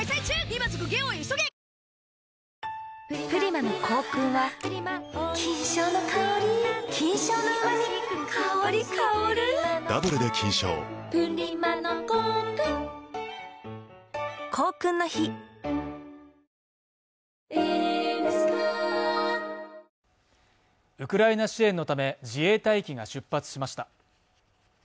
今も続く融和の呼びかけはウクライナ支援のため自衛隊機が出発しました。